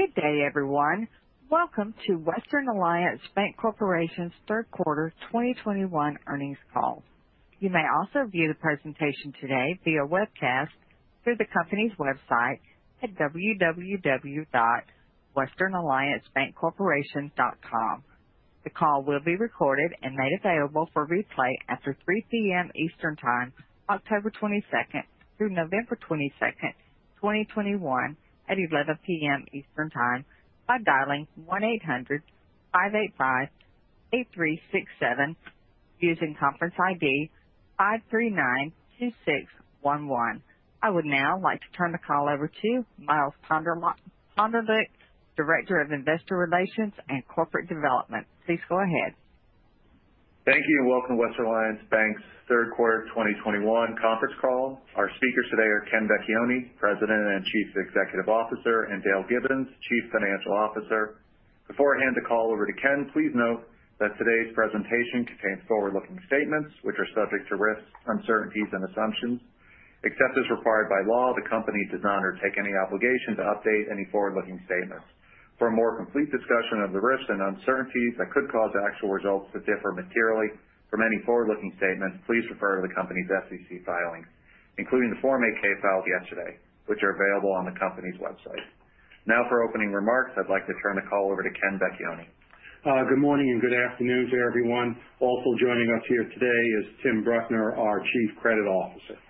Good day, everyone. Welcome to Western Alliance Bancorporation's Q3 2021 earnings call. You may also view the presentation today via webcast through the company's website at www.westernalliancebancorporation.com. The call will be recorded and made available for replay after 3:00 P.M. Eastern Time, October 22nd, through November 22nd, 2021 at 11:00 P.M. Eastern Time by dialing 1-800-585-8367, using conference ID 5392611. I would now like to turn the call over to Miles Pondelik, Director of Investor Relations and Corporate Development. Please go ahead. Thank you. Welcome to Western Alliance Bank's Q3 2021 conference call. Our speakers today are Ken Vecchione, President and Chief Executive Officer, and Dale Gibbons, Chief Financial Officer. Before I hand the call over to Ken, please note that today's presentation contains forward-looking statements, which are subject to risks, uncertainties, and assumptions. Except as required by law, the company does not undertake any obligation to update any forward-looking statements. For a more complete discussion of the risks and uncertainties that could cause actual results to differ materially from any forward-looking statements, please refer to the company's SEC filings, including the Form 8-K filed yesterday, which are available on the company's website. For opening remarks, I'd like to turn the call over to Ken Vecchione. Good morning, and good afternoon to everyone. Also joining us here today is Tim Bruckner, our Chief Credit Officer.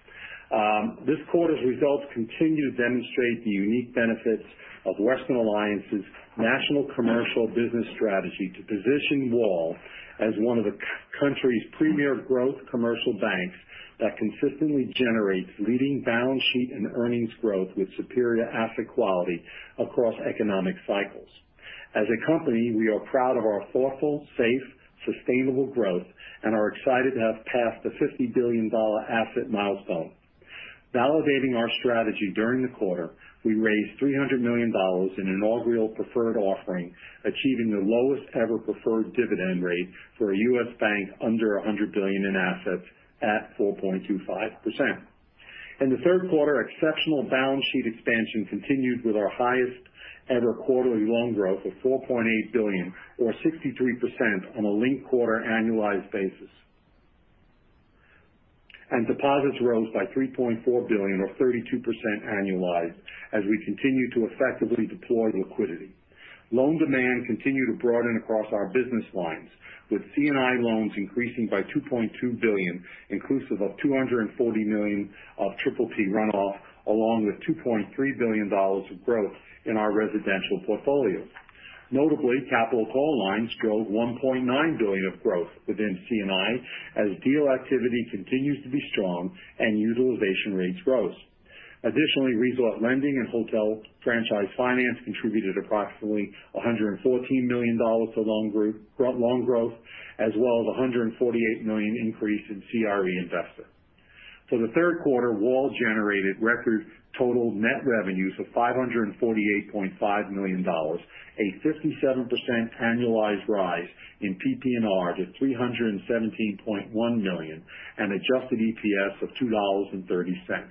This quarter's results continue to demonstrate the unique benefits of Western Alliance's national commercial business strategy to position WAL as one of the country's premier growth commercial banks that consistently generates leading balance sheet and earnings growth with superior asset quality across economic cycles. As a company, we are proud of our thoughtful, safe, sustainable growth and are excited to have passed the $50 billion asset milestone. Validating our strategy during the quarter, we raised $300 million in inaugural preferred offering, achieving the lowest ever preferred dividend rate for a U.S. bank under $100 billion in assets at 4.25%. In the third quarter, exceptional balance sheet expansion continued with our highest ever quarterly loan growth of $4.8 billion or 63% on a linked quarter annualized basis. Deposits rose by $3.4 billion or 32% annualized as we continue to effectively deploy liquidity. Loan demand continued to broaden across our business lines, with C&I loans increasing by $2.2 billion, inclusive of $240 million of PPP runoff, along with $2.3 billion of growth in our residential portfolio. Notably, capital call lines drove $1.9 billion of growth within C&I as deal activity continues to be strong and utilization rates rose. Additionally, resort lending and hotel franchise finance contributed approximately $114 million to loan growth, as well as $148 million increase in CRE investment. For the third quarter, WAL generated record total net revenues of $548.5 million, a 57% annualized rise in PPNR to $317.1 million, and adjusted EPS of $2.30.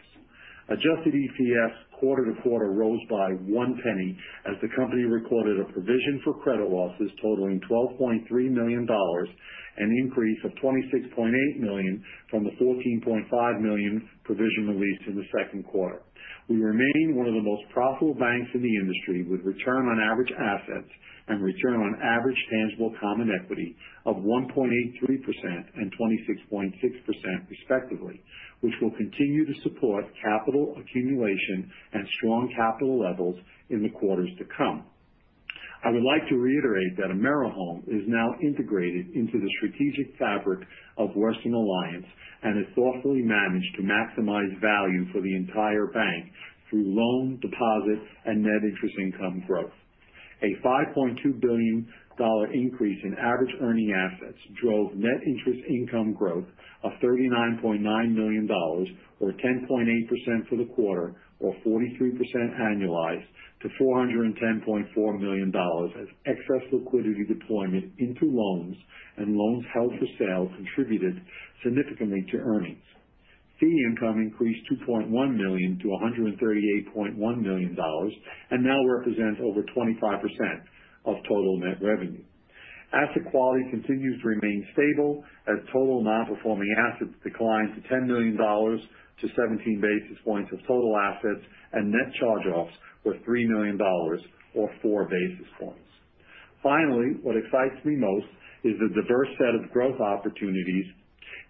Adjusted EPS quarter to quarter rose by $0.01 as the company recorded a provision for credit losses totaling $12.3 million, an increase of $26.8 million from the $14.5 million provision released in the second quarter. We remain one of the most profitable banks in the industry with return on average assets and return on average tangible common equity of 1.83% and 26.6%, respectively, which will continue to support capital accumulation and strong capital levels in the quarters to come. I would like to reiterate that AmeriHome is now integrated into the strategic fabric of Western Alliance and is thoughtfully managed to maximize value for the entire bank through loan deposit and net interest income growth. A $5.2 billion increase in average earning assets drove net interest income growth of $39.9 million, or 10.8% for the quarter, or 43% annualized to $410.4 million as excess liquidity deployment into loans and loans held for sale contributed significantly to earnings. Fee income increased $2.1 million to $138.1 million and now represents over 25% of total net revenue. Asset quality continues to remain stable as total non-performing assets decline to $10 million to 17 basis points of total assets, and net charge-offs were $3 million or four basis points. Finally, what excites me most is the diverse set of growth opportunities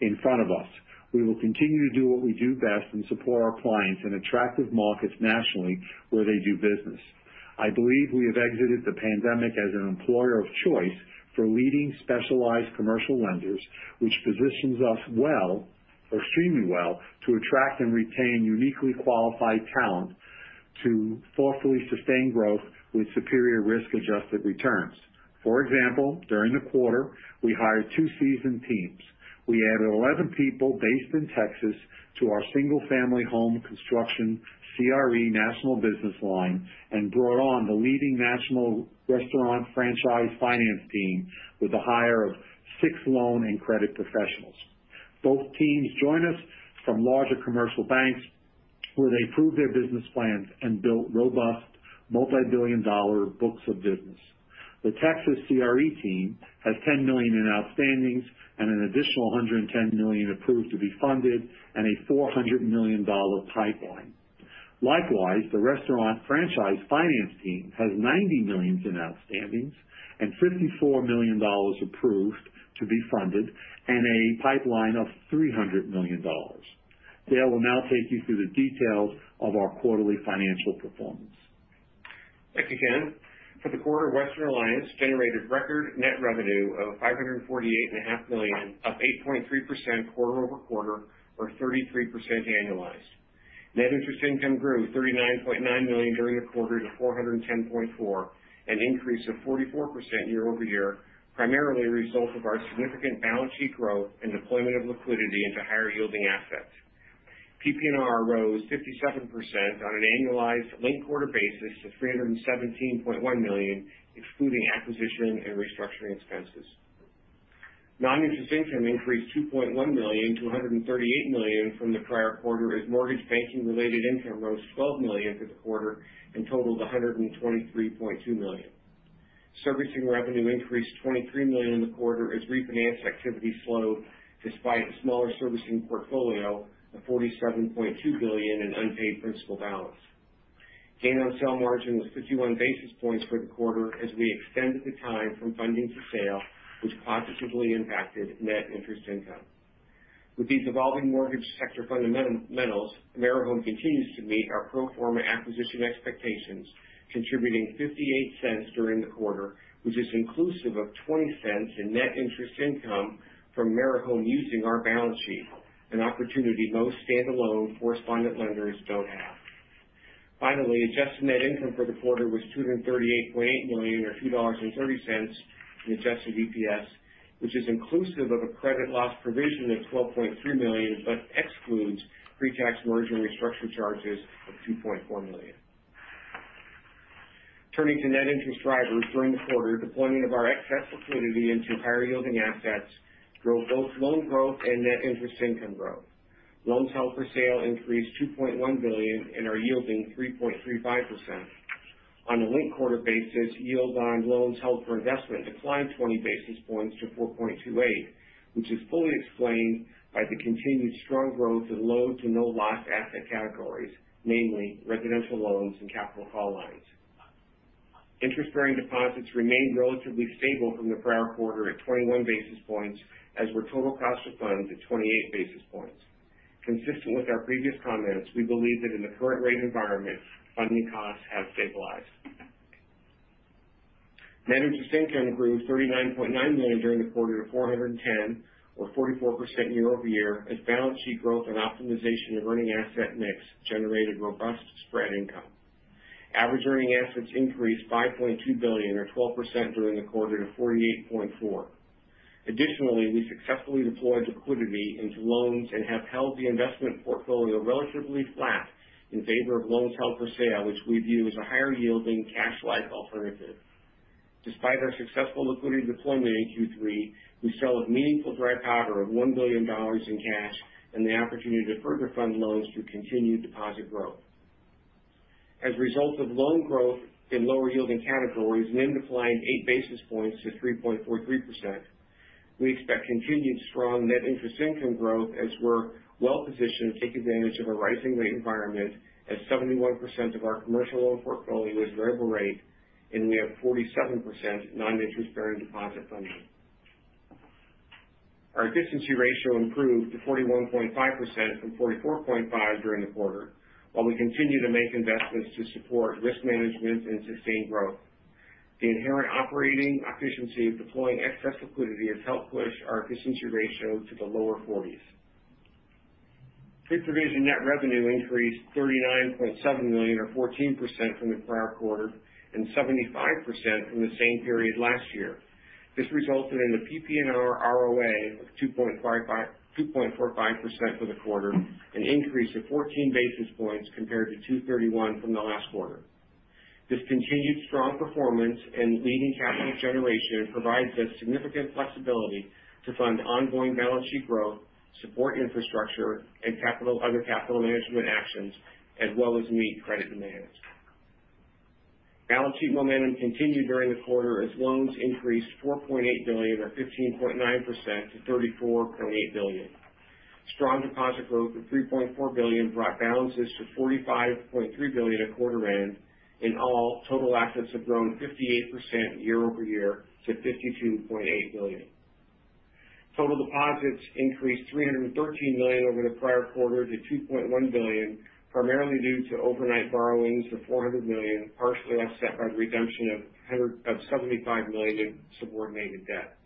in front of us. We will continue to do what we do best and support our clients in attractive markets nationally where they do business. I believe we have exited the pandemic as an employer of choice for leading specialized commercial lenders, which positions us extremely well to attract and retain uniquely qualified talent to forcefully sustain growth with superior risk-adjusted returns. For example, during the quarter, we hired two seasoned teams. We added 11 people based in Texas to our single-family home construction CRE national business line and brought on the leading national restaurant franchise finance team with a hire of six loan and credit professionals. Both teams join us from larger commercial banks, where they proved their business plans and built robust multibillion-dollar books of business. The Texas CRE team has $10 million in outstandings and an additional $110 million approved to be funded and a $400 million pipeline. Likewise, the restaurant franchise finance team has $90 million in outstandings and $54 million approved to be funded and a pipeline of $300 million. Dale will now take you through the details of our quarterly financial performance. Thank you, Ken. For the quarter, Western Alliance generated record net revenue of $548.5 million, up 8.3% quarter-over-quarter, or 33% annualized. Net interest income grew to $39.9 million during the quarter to $410.4 million, an increase of 44% year-over-year, primarily a result of our significant balance sheet growth and deployment of liquidity into higher yielding assets. PPNR rose 57% on an annualized linked quarter basis to $317.1 million, excluding acquisition and restructuring expenses. Non-interest income increased $2.1 million to $138 million from the prior quarter as mortgage banking related income rose $12 million for the quarter and totaled $123.2 million. Servicing revenue increased to $23 million in the quarter as refinance activity slowed despite a smaller servicing portfolio of $47.2 billion in unpaid principal balance. Gain on sale margin was 51 basis points for the quarter as we extended the time from funding to sale, which positively impacted net interest income. With these evolving mortgage sector fundamentals, AmeriHome continues to meet our pro forma acquisition expectations, contributing $0.58 during the quarter, which is inclusive of $0.20 in net interest income from AmeriHome using our balance sheet, an opportunity most standalone correspondent lenders don't have. Finally, adjusted net income for the quarter was $238.8 million, or $2.30 in adjusted EPS, which is inclusive of a credit loss provision of $12.3 million, but excludes pre-tax merger restructure charges of $2.4 million. Turning to net interest drivers during the quarter, deployment of our excess liquidity into higher yielding assets drove both loan growth and net interest income growth. Loans held for sale increased $2.1 billion and are yielding 3.35%. On a linked quarter basis, yield on loans held for investment declined 20 basis points to 4.28, which is fully explained by the continued strong growth in low to no loss asset categories, namely residential loans and capital call lines. Interest bearing deposits remained relatively stable from the prior quarter at 21 basis points, as were total cost of funds at 28 basis points. Consistent with our previous comments, we believe that in the current rate environment, funding costs have stabilized. Net interest income grew to $39.9 million during the quarter to $410, or 44% year-over-year, as balance sheet growth and optimization of earning asset mix generated robust spread income. Average earning assets increased $5.2 billion, or 12%, during the quarter to $48.4. Additionally, we successfully deployed liquidity into loans and have held the investment portfolio relatively flat in favor of loans held for sale, which we view as a higher yielding cash-like alternative. Despite our successful liquidity deployment in Q3, we still have meaningful dry powder of $1 billion in cash and the opportunity to further fund loans through continued deposit growth. As a result of loan growth in lower yielding categories, NIM declined 8 basis points to 3.43%. We expect continued strong net interest income growth as we're well positioned to take advantage of a rising rate environment as 71% of our commercial loan portfolio is variable rate, and we have 47% non-interest bearing deposit funding. Our efficiency ratio improved to 41.5% from 44.5% during the quarter. While we continue to make investments to support risk management and sustained growth. The inherent operating efficiency of deploying excess liquidity has helped push our efficiency ratio to the lower 40s. Fee, service, and net revenue increased to $39.7 million, or 14%, from the prior quarter and 75% from the same period last year. This resulted in a PPNR ROA of 2.45% for the quarter, an increase of 14 basis points compared to 231 from the last quarter. This continued strong performance and leading capital generation provides us significant flexibility to fund ongoing balance sheet growth, support infrastructure, and other capital management actions, as well as meet credit demands. Balance sheet momentum continued during the quarter as loans increased $4.8 billion or 15.9% to $34.8 billion. Strong deposit growth of $3.4 billion brought balances to $45.3 billion at quarter end. In all, total assets have grown 58% year-over-year to $52.8 billion. Total deposits increased $313 million over the prior quarter to $2.1 billion, primarily due to overnight borrowings of $400 million, partially offset by the redemption of $75 million in subordinated debt.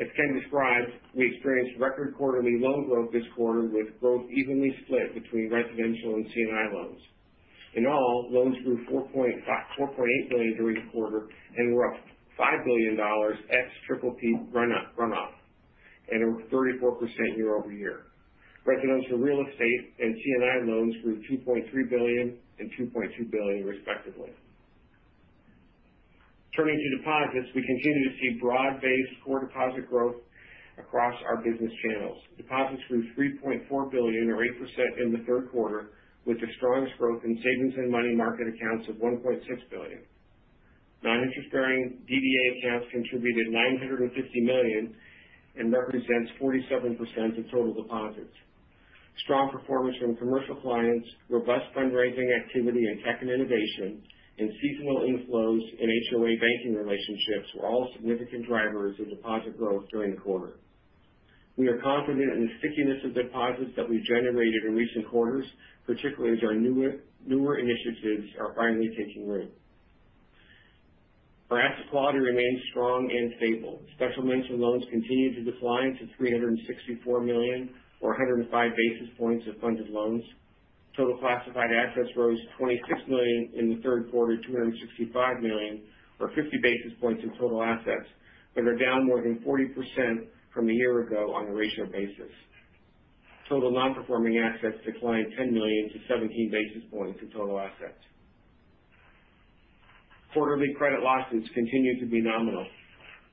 As Ken described, we experienced record quarterly loan growth this quarter, with growth evenly split between residential and C&I loans. In all, loans grew $4.8 million during the quarter and were up $5 billion, ex PPP runoff, and are up 34% year-over-year. Residential real estate and C&I loans grew $2.3 billion and $2.2 billion respectively. Turning to deposits, we continue to see broad-based core deposit growth across our business channels. Deposits grew $3.4 billion, or 8%, in the third quarter, with the strongest growth in savings and money market accounts of $1.6 billion. Non-interest bearing DDA accounts contributed $950 million and represents 47% of total deposits. Strong performance from commercial clients, robust fundraising activity in tech and innovation, and seasonal inflows in HOA banking relationships were all significant drivers of deposit growth during the quarter. We are confident in the stickiness of deposits that we've generated in recent quarters, particularly as our newer initiatives are finally taking root. Our asset quality remains strong and stable. Special mention loans continued to decline to $364 million, or 105 basis points of funded loans. Total classified assets rose $26 million in the third quarter to $265 million, or 50 basis points in total assets, but are down more than 40% from a year ago on a ratio basis. Total non-performing assets declined $10 million to 17 basis points of total assets. Quarterly credit losses continued to be nominal.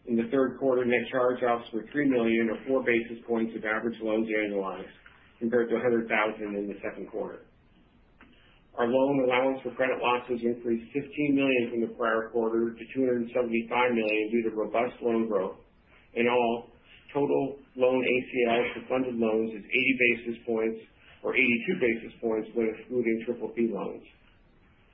In Q3, net charge-offs were $3 million, or 4 basis points of average loans annualized, compared to $100,000 in Q2. Our loan allowance for credit losses increased $15 million from the prior quarter to $275 million due to robust loan growth. In all, total loan ACL for funded loans is 80 basis points, or 82 basis points when excluding PPP loans.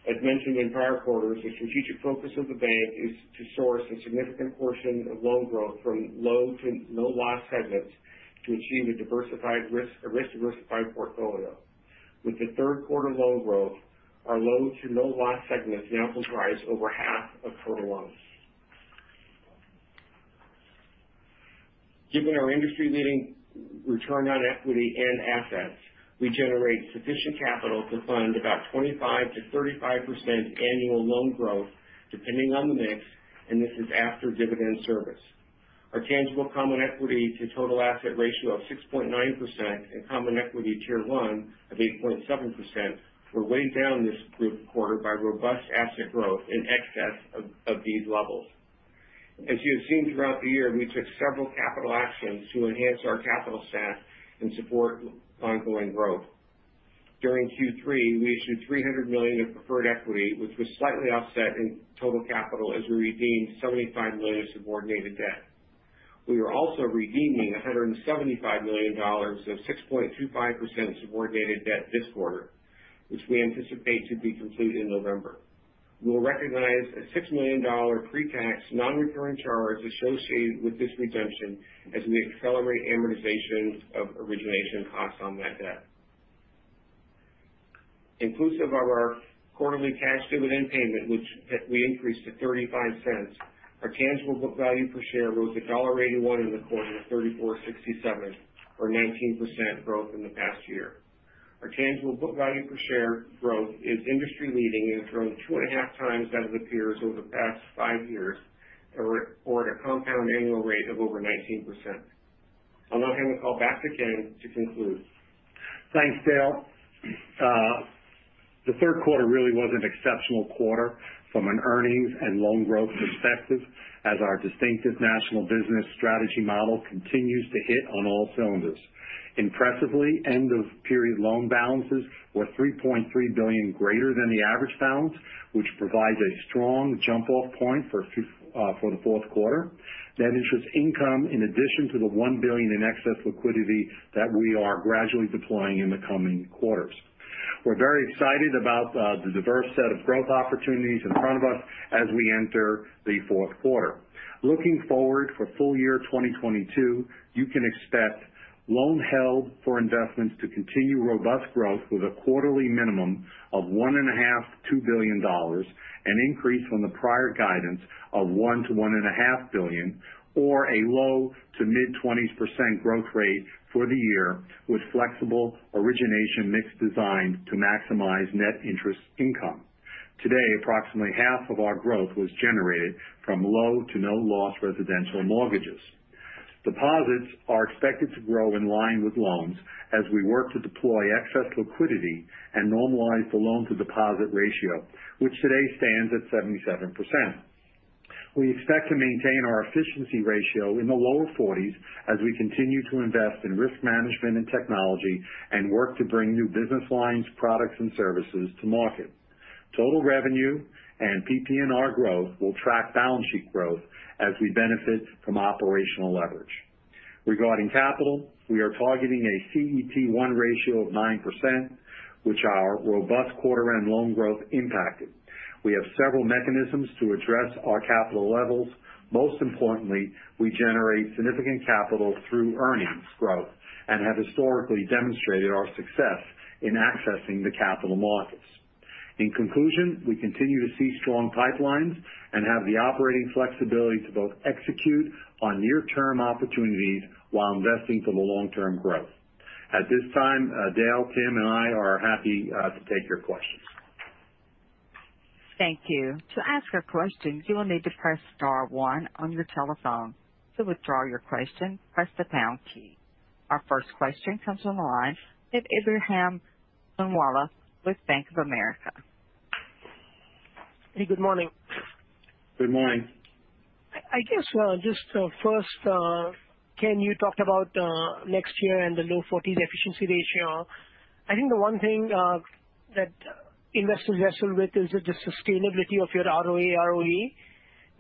As mentioned in prior quarters, the strategic focus of the bank is to source a significant portion of loan growth from low to no loss segments to achieve a risk-diversified portfolio. With the third quarter loan growth, our low to no loss segments now comprise over half of total loans. Given our industry leading return on equity and assets, we generate sufficient capital to fund about 25%-35% annual loan growth depending on the mix, and this is after dividend service. Our tangible common equity to total asset ratio of 6.9% and common equity Tier One of 8.7% were weighed down this quarter by robust asset growth in excess of these levels. As you have seen throughout the year, we took several capital actions to enhance our capital stack and support ongoing growth. During Q3, we issued $300 million of preferred equity, which was slightly offset in total capital as we redeemed $75 million of subordinated debt. We are also redeeming $175 million of 6.25% subordinated debt this quarter, which we anticipate to be complete in November. We'll recognize a $6 million pre-tax, non-recurring charge associated with this redemption as we accelerate amortization of origination costs on that debt. Inclusive of our quarterly cash dividend payment, which we increased to $0.35, our tangible book value per share rose $1.81 in the quarter to $34.67, or 19% growth in the past year. Our tangible book value per share growth is industry leading and has grown two and a half times that of the peers over the past five years at a compound annual rate of over 19%. I'll now hand the call back to Ken Vecchione to conclude. Thanks, Dale. The Q3 really was an exceptional quarter from an earnings and loan growth perspective as our distinctive national business strategy model continues to hit on all cylinders. Impressively, end of period loan balances were $3.3 billion greater than the average balance, which provides a strong jump off point for the Q4, net interest income, in addition to the $1 billion in excess liquidity that we are gradually deploying in the coming quarters. We're very excited about the diverse set of growth opportunities in front of us as we enter the Q4. Looking forward for full year 2022, you can expect loan held for investments to continue robust growth with a quarterly minimum of $1.5 billion-$2 billion, an increase from the prior guidance of $1 billion-$1.5 billion, or a low to mid 20s% growth rate for the year, with flexible origination mix designed to maximize net interest income. Today, approximately half of our growth was generated from low to no loss residential mortgages. Deposits are expected to grow in line with loans as we work to deploy excess liquidity and normalize the loan to deposit ratio, which today stands at 77%. We expect to maintain our efficiency ratio in the lower 40s as we continue to invest in risk management and technology and work to bring new business lines, products, and services to market. Total revenue and PPNR growth will track balance sheet growth as we benefit from operational leverage. Regarding capital, we are targeting a CET1 ratio of 9%, which our robust quarter and loan growth impacted. We have several mechanisms to address our capital levels. Most importantly, we generate significant capital through earnings growth and have historically demonstrated our success in accessing the capital markets. In conclusion, we continue to see strong pipelines and have the operating flexibility to both execute on near term opportunities while investing for the long term growth. At this time, Dale, Tim, and I are happy to take your questions. Thank you. To ask a question, you will need to press star one on your telephone. To withdraw your question, press the pound key. Our first question comes from the line with Ebrahim Poonawala with Bank of America. Hey. Good morning. Good morning. I guess just first, Ken, you talked about next year and the low 40s efficiency ratio. I think the 1 thing that investors wrestle with is the sustainability of your ROA, ROE.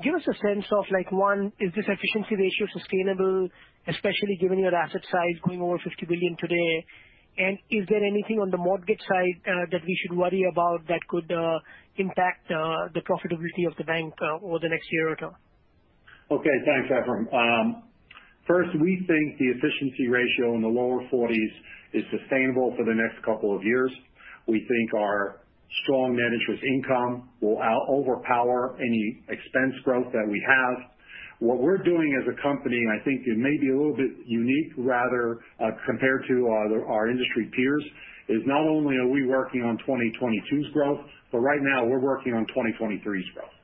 Give us a sense of, 1, is this efficiency ratio sustainable, especially given your asset size going over $50 billion today? Is there anything on the mortgage side that we should worry about that could impact the profitability of the bank over the next year or two? Okay. Thanks, Ebrahim. First, we think the efficiency ratio in the lower 40s is sustainable for the next couple of years. We think our strong net interest income will overpower any expense growth that we have. What we're doing as a company, and I think it may be a little bit unique, rather, compared to our industry peers, is not only are we working on 2022's growth, but right now we're working on 2023's growth.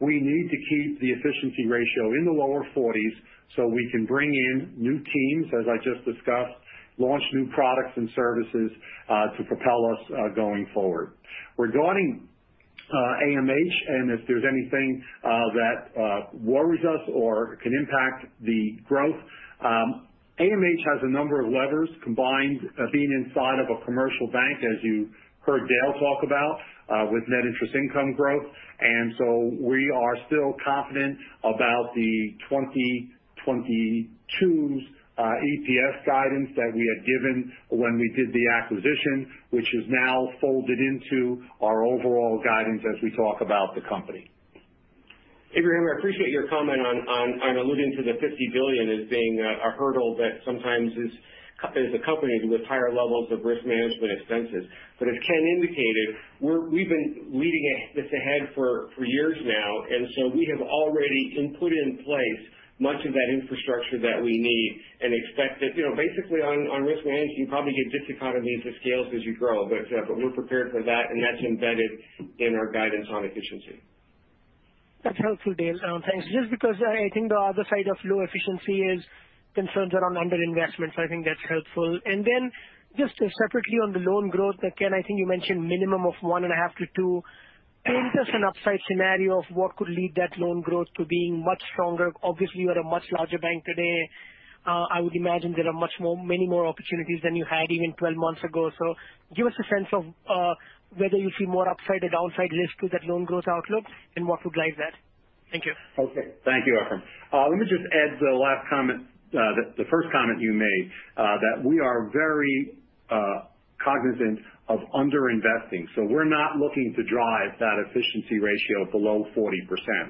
We need to keep the efficiency ratio in the lower 40s so we can bring in new teams, as I just discussed, launch new products and services to propel us going forward. Regarding AmeriHome and if there's anything that worries us or can impact the growth, AmeriHome has a number of levers combined, being inside of a commercial bank, as you heard Dale talk about with net interest income growth. We are still confident about the 2022's EPS guidance that we had given when we did the acquisition, which is now folded into our overall guidance as we talk about the company. Ebrahim, I appreciate your comment on alluding to the $50 billion as being a hurdle that sometimes is accompanied with higher levels of risk management expenses. As Ken indicated, we've been leading this ahead for years now, we have already put in place much of that infrastructure that we need and expect that basically on risk management, you probably get diseconomies of scale as you grow. We're prepared for that, and that's embedded in our guidance on efficiency. That's helpful, Dale. Thanks. Just because I think the other side of low efficiency is concerns around under-investment. I think that's helpful. Then just separately on the loan growth, Ken, I think you mentioned minimum of 1.5%-2%. Paint us an upside scenario of what could lead that loan growth to being much stronger. Obviously, you are a much larger bank today. I would imagine there are many more opportunities than you had even 12 months ago. Give us a sense of whether you see more upside or downside risk to that loan growth outlook and what would drive that. Thank you. Okay. Thank you, Ebrahim. Let me just add the first comment you made, that we are very cognizant of under-investing. We're not looking to drive that efficiency ratio below 40%.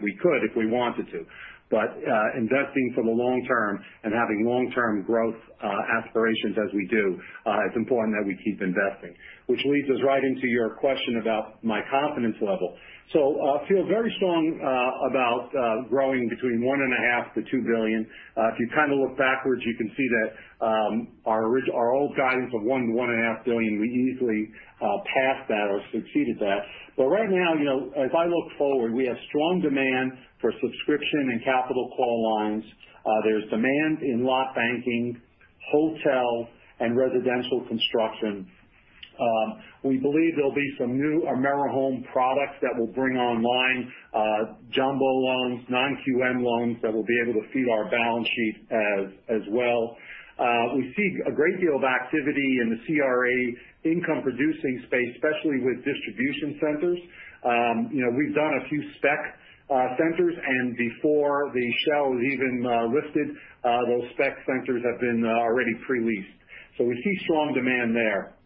We could if we wanted to. Investing for the long term and having long-term growth aspirations as we do, it's important that we keep investing. Which leads us right into your question about my confidence level. I feel very strong about growing between one and a half to two billion. If you look backwards, you can see that our old guidance of one to one and a half billion, we easily passed that or succeeded that. Right now, if I look forward, we have strong demand for subscription and capital call lines. There's demand in lot banking, hotel, and residential construction. We believe there'll be some new AmeriHome products that we'll bring online, jumbo loans, non-QM loans that will be able to feed our balance sheet as well. We see a great deal of activity in the CRE income producing space, especially with distribution centers. We've done a few spec centers, and before the shell is even lifted those spec centers have been already pre-leased. We see strong demand there.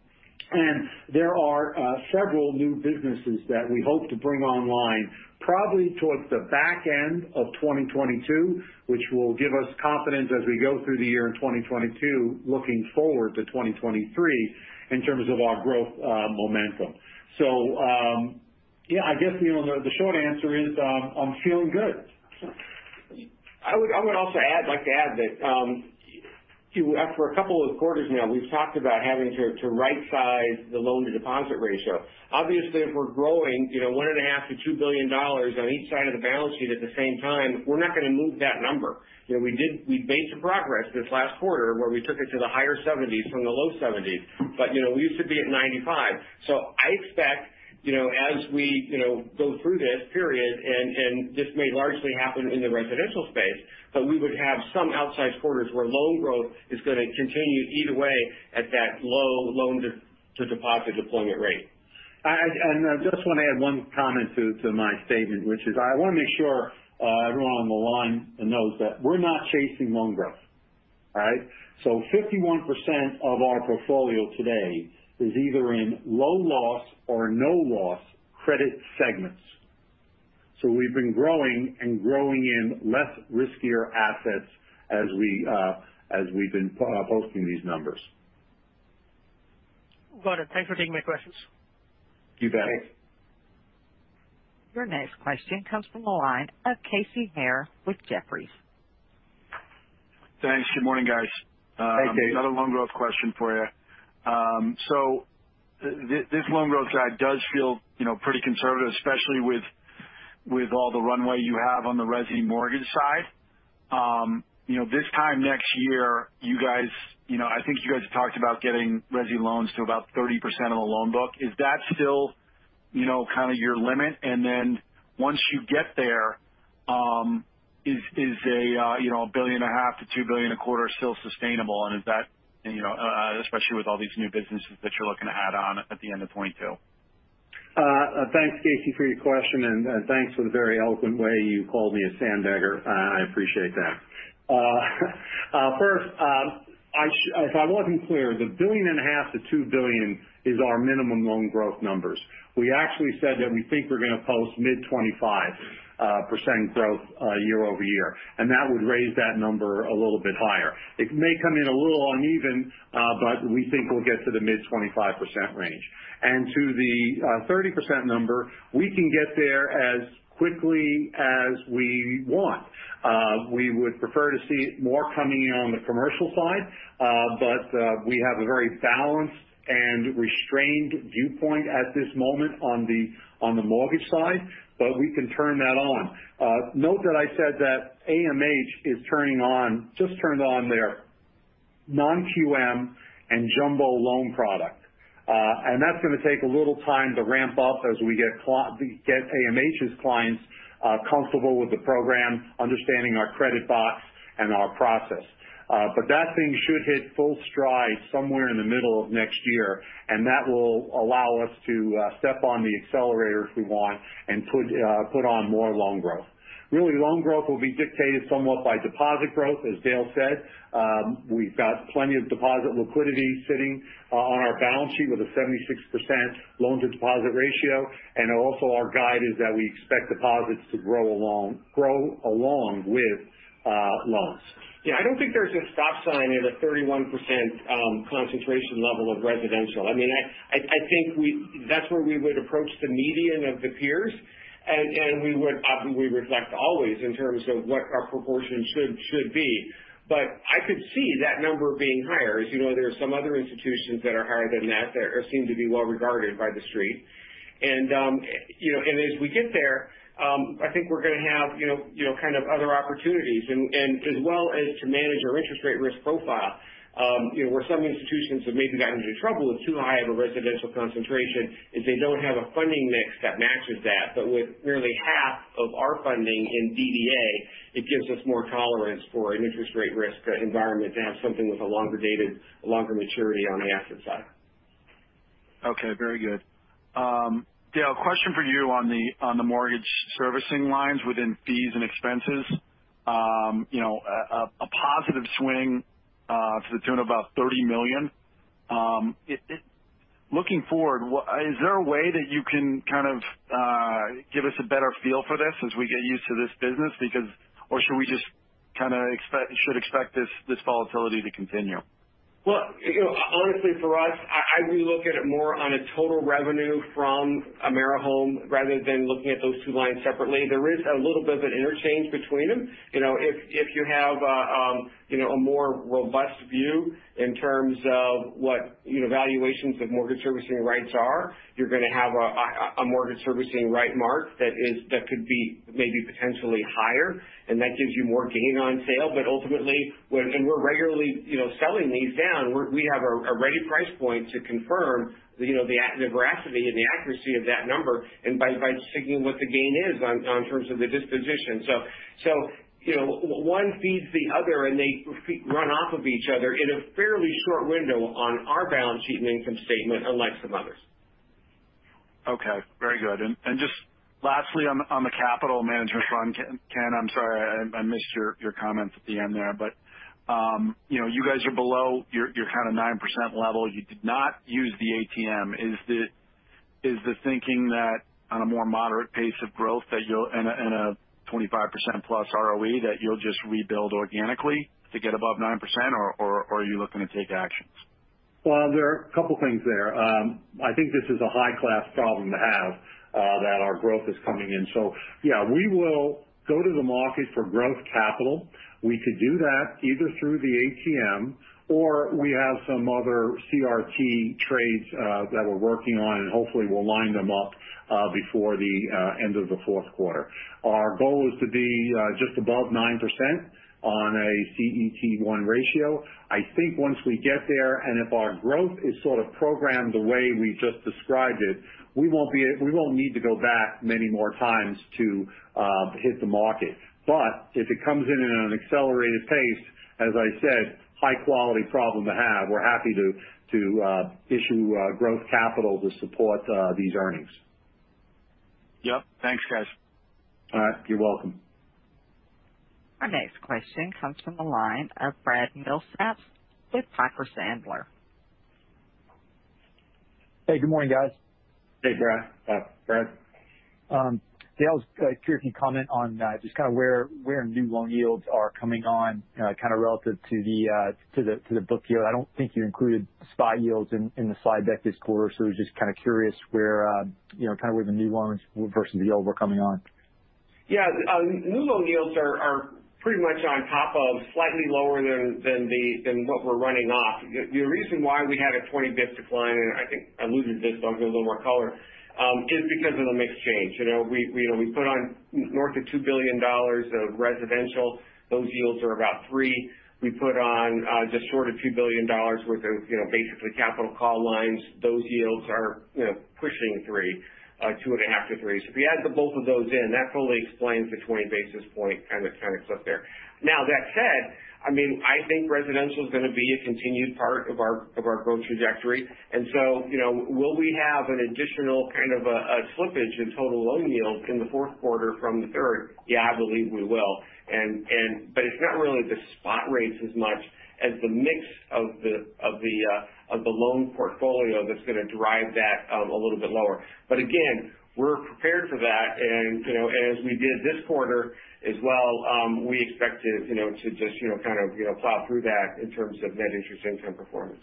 There are several new businesses that we hope to bring online, probably towards the back end of 2022, which will give us confidence as we go through the year in 2022, looking forward to 2023 in terms of our growth momentum. Yeah, I guess the short answer is, I'm feeling good. I would also like to add that for a couple of quarters now, we've talked about having to right-size the loan-to-deposit ratio. Obviously, if we're growing $1.5 billion-$2 billion on each side of the balance sheet at the same time, we're not going to move that number. We made some progress this last quarter where we took it to the higher 70s from the low 70s. We used to be at 95. I expect as we go through this period, and this may largely happen in the residential space, but we would have some outsized quarters where loan growth is going to continue to eat away at that low loan-to-deposit deployment rate. I just want to add one comment to my statement, which is I want to make sure everyone on the line knows that we're not chasing loan growth. All right. 51% of our portfolio today is either in low loss or no loss credit segments. We've been growing and growing in less riskier assets as we've been posting these numbers. Got it. Thanks for taking my questions. You bet. Thanks. Your next question comes from the line of Casey Haire with Jefferies. Thanks. Good morning, guys. Hey, Casey. Another loan growth question for you. This loan growth guide does feel pretty conservative, especially with all the runway you have on the resi mortgage side. This time next year, I think you guys have talked about getting resi loans to about 30% of the loan book. Is that still your limit? Then once you get there, is a billion and a half to $2 billion a quarter still sustainable? Especially with all these new businesses that you're looking to add on at the end of 2022. Thanks, Casey, for your question, and thanks for the very eloquent way you called me a sandbagger. I appreciate that. First, if I wasn't clear, the billion and a half to $2 billion is our minimum loan growth numbers. We actually said that we think we're going to post mid-25% growth year-over-year, and that would raise that number a little bit higher. It may come in a little uneven, but we think we'll get to the mid-25% range. To the 30% number, we can get there as quickly as we want. We would prefer to see more coming in on the commercial side. We have a very balanced and restrained viewpoint at this moment on the mortgage side, but we can turn that on. Note that I said that AMH just turned on their non-QM and jumbo loan product. That's going to take a little time to ramp up as we get AMH's clients comfortable with the program, understanding our credit box, and our process. That thing should hit full stride somewhere in the middle of next year, and that will allow us to step on the accelerator if we want and put on more loan growth. Really, loan growth will be dictated somewhat by deposit growth, as Dale said. We've got plenty of deposit liquidity sitting on our balance sheet with a 76% loan to deposit ratio. Also, our guide is that we expect deposits to grow along with loans. Yeah, I don't think there's a stop sign at a 31% concentration level of residential. I think that's where we would approach the median of the peers. We reflect always in terms of what our proportion should be. I could see that number being higher. As you know, there are some other institutions that are higher than that seem to be well regarded by the Street. As we get there, I think we're going to have other opportunities, and as well as to manage our interest rate risk profile. Where some institutions have maybe gotten into trouble with too high of a residential concentration is they don't have a funding mix that matches that. With nearly half of our funding in DDA, it gives us more tolerance for an interest rate risk environment to have something with a longer maturity on the asset side. Okay. Very good. Dale, question for you on the mortgage servicing lines within fees and expenses. A positive swing to the tune of about $30 million. Looking forward, is there a way that you can give us a better feel for this as we get used to this business? Should we just expect this volatility to continue? Look, honestly, for us, we look at it more on a total revenue from AmeriHome rather than looking at those two lines separately. There is a little bit of an interchange between them. If you have a more robust view in terms of what valuations of mortgage servicing rights are, you're going to have a mortgage servicing right mark that could be maybe potentially higher, and that gives you more gain on sale. Ultimately, and we're regularly selling these down. We have a ready price point to confirm the veracity and the accuracy of that number, and by sticking what the gain is in terms of the disposition. One feeds the other, and they run off of each other in a fairly short window on our balance sheet and income statement, unlike some others. Okay. Very good. Just lastly, on the capital management front. Ken, I'm sorry I missed your comments at the end there. You guys are below your 9% level. You did not use the ATM. Is the thinking that on a more moderate pace of growth and a 25% plus ROE, that you'll just rebuild organically to get above 9%? Are you looking to take actions? Well, there are a couple of things there. I think this is a high-class problem to have that our growth is coming in. Yeah, we will go to the market for growth capital. We could do that either through the ATM or we have some other CRT trades that we're working on, and hopefully we'll line them up before the end of the fourth quarter. Our goal is to be just above 9% on a CET1 ratio. I think once we get there, and if our growth is sort of programmed the way we just described it, we won't need to go back many more times to hit the market. If it comes in in an accelerated pace, as I said, high quality problem to have. We're happy to issue growth capital to support these earnings. Yep. Thanks, guys. All right. You're welcome. Our next question comes from the line of Brad Milsaps with Piper Sandler. Hey, good morning, guys. Hey, Brad. Brad. Dale, I was curious if you'd comment on just kind of where new loan yields are coming on kind of relative to the book yield. I don't think you included spot yields in the slide deck this quarter, just kind of curious where the new loans versus the old were coming on. Yeah. New loan yields are pretty much on top of slightly lower than what we're running off. The reason why we had a 20 basis point decline, and I think I alluded to this, but I'll give a little more color, is because of the mix change. We put on north of $2 billion of residential. Those yields are about 3%. We put on just short of $2 billion worth of basically capital call lines. Those yields are pushing 3%, 2.5%-3%. If you add the both of those in, that fully explains the 20 basis point kind of slip there. That said, I think residential is going to be a continued part of our growth trajectory. Will we have an additional kind of a slippage in total loan yields in the fourth quarter from the third? Yeah, I believe we will. It's not really the spot rates as much as the mix of the loan portfolio that's going to drive that a little bit lower. Again, we're prepared for that. As we did this quarter as well, we expect to just plow through that in terms of net interest income performance.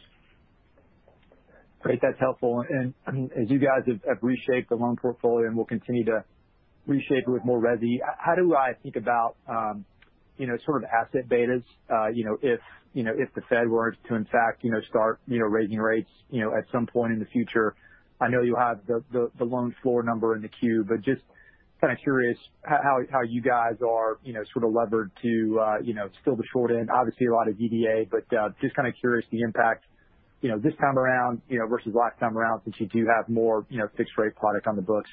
Great. That's helpful. As you guys have reshaped the loan portfolio and will continue to reshape it with more resi, how do I think about asset betas if the Fed were to in fact start raising rates at some point in the future? I know you have the loan floor number in the queue, but just kind of curious how you guys are levered to fill the short end. Obviously, a lot of DDA, but just kind of curious the impact this time around versus last time around since you do have more fixed rate product on the books.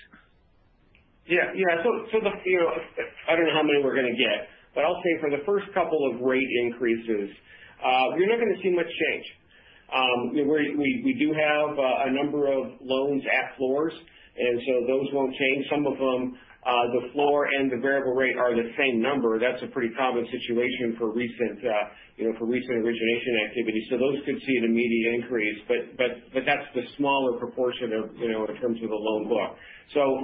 Yeah. I don't know how many we're going to get, but I'll say for the first couple of rate increases, you're not going to see much change. We do have a number of loans at floors. Those won't change. Some of them, the floor and the variable rate are the same number. That's a pretty common situation for recent origination activity. Those could see an immediate increase, but that's the smaller proportion in terms of the loan book.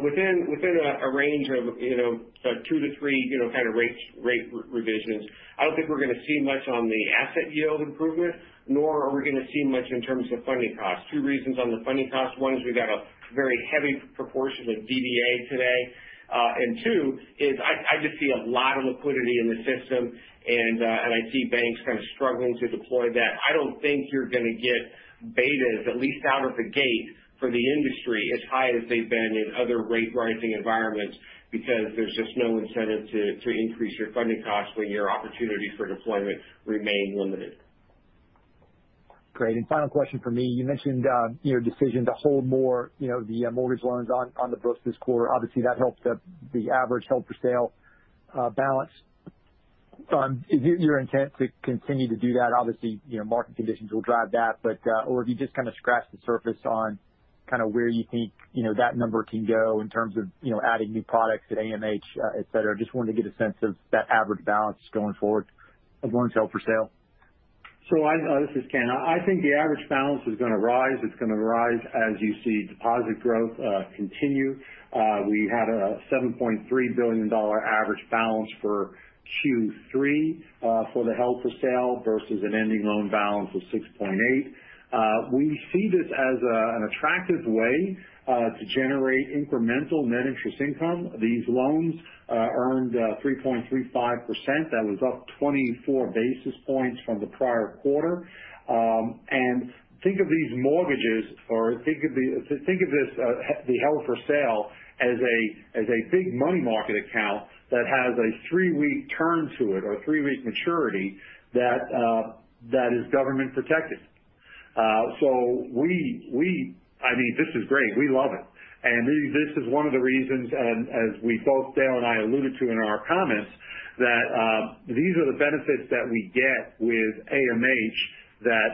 Within a range of two to three kind of rate revisions, I don't think we're going to see much on the asset yield improvement, nor are we going to see much in terms of funding costs. Two reasons on the funding cost. One is we've got a very heavy proportion of DDA today. Two is I just see a lot of liquidity in the system, and I see banks kind of struggling to deploy that. I don't think you're going to get betas, at least out of the gate for the industry, as high as they've been in other rate rising environments because there's just no incentive to increase your funding costs when your opportunities for deployment remain limited. Great. Final question from me. You mentioned your decision to hold more of the mortgage loans on the books this quarter. Obviously, that helps the average held-for-sale balance. Is your intent to continue to do that? Obviously, market conditions will drive that. Have you just kind of scratched the surface on where you think that number can go in terms of adding new products at AMH, et cetera? I just wanted to get a sense of that average balance going forward of loans held for sale. This is Ken. I think the average balance is going to rise. It is going to rise as you see deposit growth continue. We had a $7.3 billion average balance for Q3 for the held-for-sale versus an ending loan balance of $6.8 billion. We see this as an attractive way to generate incremental net interest income. These loans earned 3.35%. That was up 24 basis points from the prior quarter. Think of these mortgages, or think of the held-for-sale as a big money market account that has a three-week turn to it or three-week maturity that is government protected. This is great. We love it. This is one of the reasons, and as both Dale and I alluded to in our comments, that these are the benefits that we get with AMH that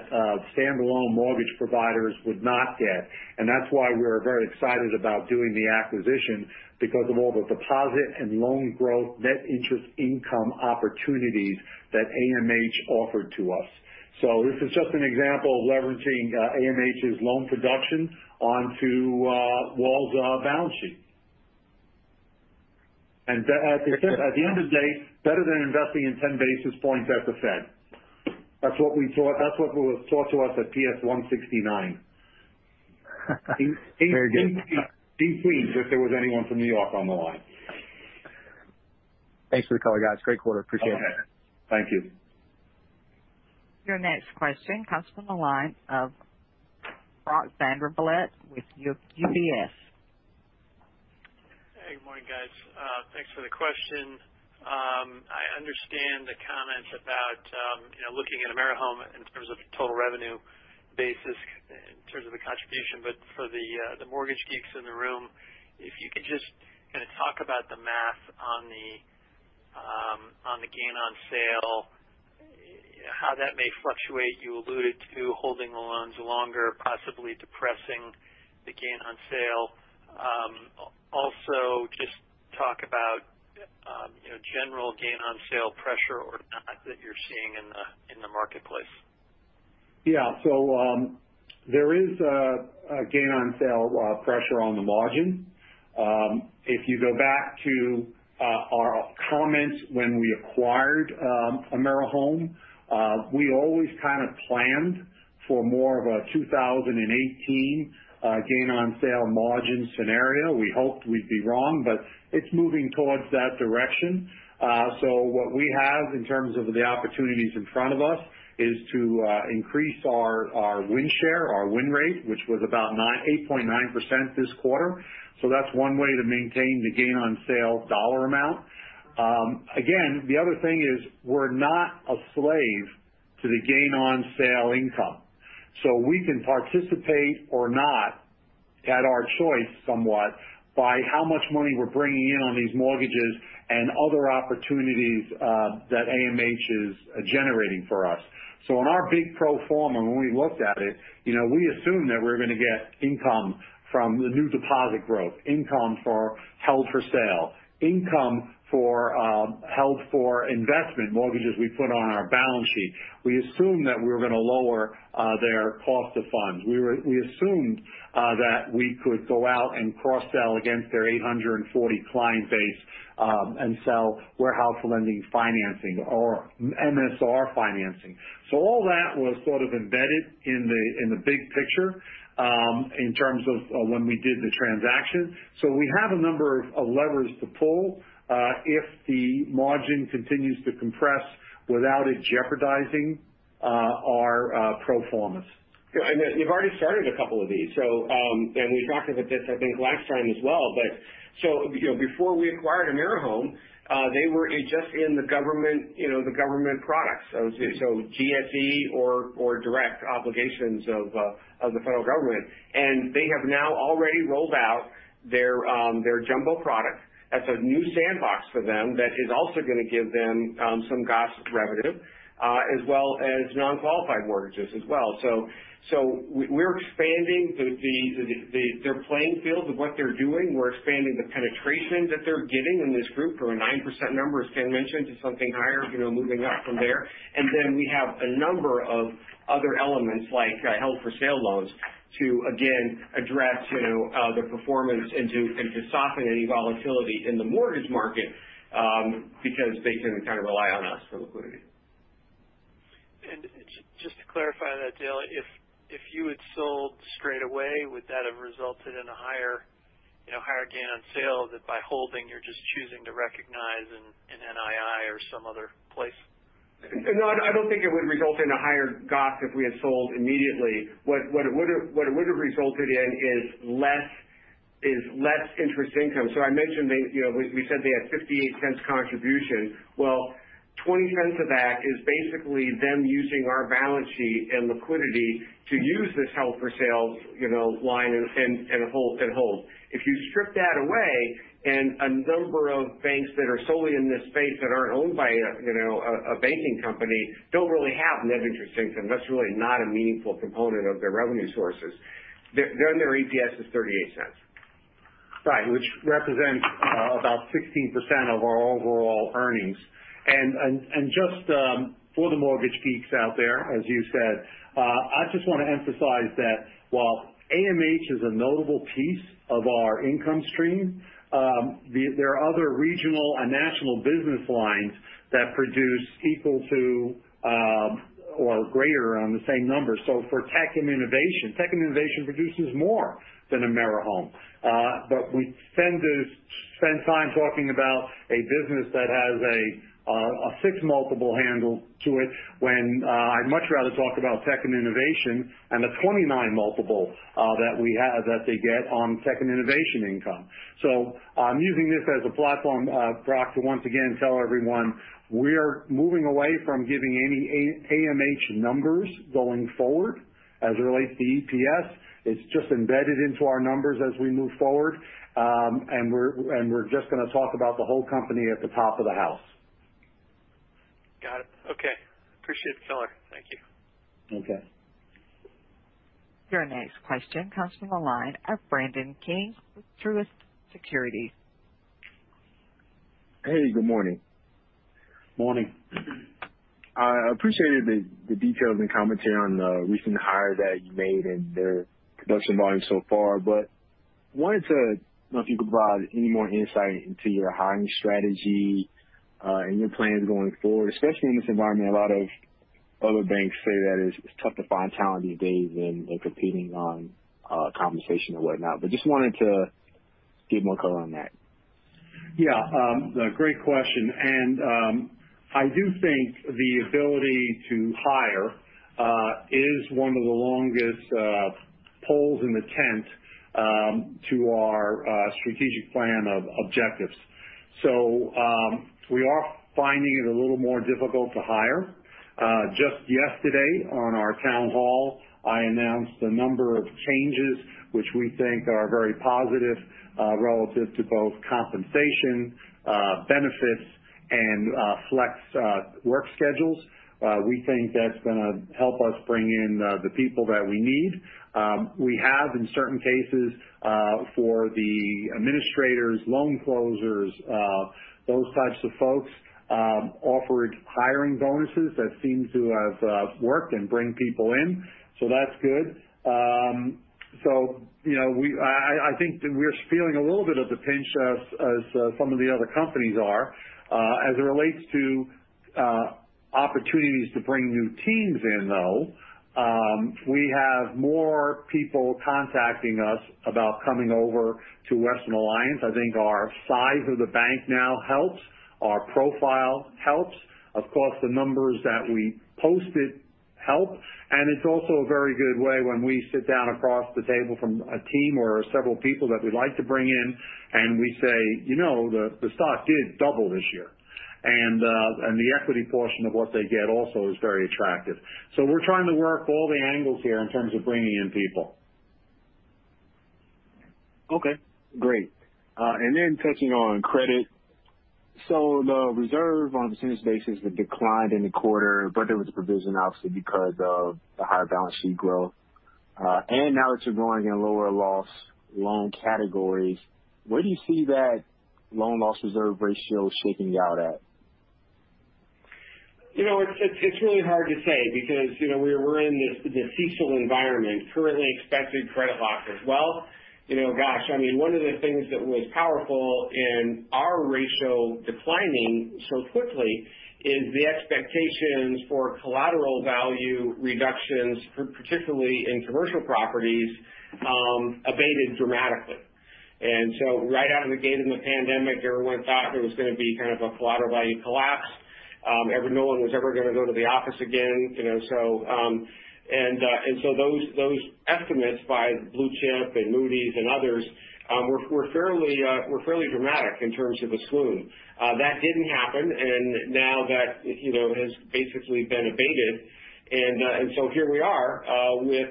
standalone mortgage providers would not get. That's why we're very excited about doing the acquisition because of all the deposit and loan growth net interest income opportunities that AMH offered to us. This is just an example of leveraging AMH's loan production onto WAL's balance sheet. At the end of the day, better than investing in 10 basis points at the Fed. That's what was taught to us at PS 169. Very good. Be pleased if there was anyone from New York on the line. Thanks for the call, guys. Great quarter. Appreciate it. Okay. Thank you. Your next question comes from the line of Brock Vandervliet with UBS. Hey. Good morning, guys. Thanks for the question. I understand the comments about looking at AmeriHome in terms of total revenue basis in terms of the contribution. For the mortgage geeks in the room, if you could just kind of talk about the math on the gain on sale, how that may fluctuate. You alluded to holding the loans longer, possibly depressing the gain on sale. Also just talk about general gain on sale pressure or not that you're seeing in the marketplace. There is a Gain on Sale pressure on the margin. If you go back to our comments when we acquired AmeriHome, we always kind of planned for more of a 2018 Gain on Sale margin scenario. We hoped we'd be wrong, it's moving towards that direction. What we have in terms of the opportunities in front of us is to increase our win share, our win rate, which was about 8.9% this quarter. That's one way to maintain the Gain on Sale dollar amount. Again, the other thing is, we're not a slave to the Gain on Sale income. We can participate or not at our choice somewhat by how much money we're bringing in on these mortgages and other opportunities that AMH is generating for us. In our big pro forma, when we looked at it, we assumed that we were going to get income from the new deposit growth, income for held for sale, income for held for investment mortgages we put on our balance sheet. We assumed that we were going to lower their cost of funds. We assumed that we could go out and cross-sell against their 840 client base, and sell warehouse lending financing or MSR financing. All that was sort of embedded in the big picture in terms of when we did the transaction. We have a number of levers to pull if the margin continues to compress without it jeopardizing our pro formas. Yeah. You've already started a couple of these. We've talked about this, I think, last time as well. Before we acquired AmeriHome, they were just in the government products. GSE or direct obligations of the Federal Government. They have now already rolled out their jumbo product. That's a new sandbox for them that is also going to give them some GOSM revenue, as well as non-qualified mortgages as well. We're expanding their playing field of what they're doing. We're expanding the penetration that they're getting in this group from a 9% number, as Ken mentioned, to something higher, moving up from there. We have a number of other elements like held for sale loans to, again, address the performance and to soften any volatility in the mortgage market because they can kind of rely on us for liquidity. Just to clarify that, Dale, if you had sold straight away, would that have resulted in a higher gain on sale that by holding, you're just choosing to recognize in NII or some other place? I don't think it would result in a higher GOSM if we had sold immediately. What it would have resulted in is less interest income. I mentioned we said they had $0.58 contribution. Well, $0.20 of that is basically them using our balance sheet and liquidity to use this held for sales line and hold. If you strip that away, a number of banks that are solely in this space that aren't owned by a banking company don't really have net interest income. That's really not a meaningful component of their revenue sources. Their EPS is $0.38. Right, which represents about 16% of our overall earnings. Just for the mortgage geeks out there, as you said, I just want to emphasize that while AMH is a notable piece of our income stream, there are other regional and national business lines that produce equal to or greater on the same number. We spend time talking about a business that has a 6 multiple handle to it when I'd much rather talk about tech and innovation and the 29 multiple that they get on tech and innovation income. I'm using this as a platform, Brock, to once again tell everyone we're moving away from giving any AMH numbers going forward as it relates to EPS. It's just embedded into our numbers as we move forward. We're just going to talk about the whole company at the top of the house. Got it. Okay. Appreciate the color. Thank you. Okay. Your next question comes from the line of Brandon King with Truist Securities. Hey, good morning. Morning. I appreciated the details and commentary on the recent hire that you made and their production volume so far. Wanted to know if you could provide any more insight into your hiring strategy and your plans going forward, especially in this environment. A lot of other banks say that it's tough to find talent these days and competing on compensation and whatnot. Just wanted to get more color on that. Great question. I do think the ability to hire is one of the longest poles in the tent to our strategic plan of objectives. We are finding it a little more difficult to hire. Just yesterday on our town hall, I announced a number of changes which we think are very positive relative to both compensation, benefits, and flex work schedules. We think that's going to help us bring in the people that we need. We have, in certain cases, for the administrators, loan closers, those types of folks, offered hiring bonuses that seem to have worked and bring people in. That's good. I think that we're feeling a little bit of the pinch as some of the other companies are. As it relates to opportunities to bring new teams in, though, we have more people contacting us about coming over to Western Alliance. I think our size of the bank now helps. Our profile helps. Of course, the numbers that we posted help. It's also a very good way when we sit down across the table from a team or several people that we'd like to bring in, and we say, The stock did double this year. The equity portion of what they get also is very attractive. We're trying to work all the angles here in terms of bringing in people. Great. Touching on credit. The reserve on percentage basis had declined in the quarter, but there was a provision, obviously, because of the higher balance sheet growth. Now that you're going in lower loss loan categories, where do you see that loan loss reserve ratio shaking out at? It's really hard to say because we're in this CECL environment currently expecting credit losses. Well, gosh, one of the things that was powerful in our ratio declining so quickly is the expectations for collateral value reductions, particularly in commercial properties, abated dramatically. Right out of the gate in the pandemic, everyone thought there was going to be kind of a collateral value collapse. No one was ever going to go to the office again. Those estimates by Blue Chip and Moody's and others were fairly dramatic in terms of a swoon. That didn't happen. Now that has basically been abated. Here we are with